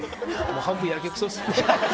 半分やけくそです。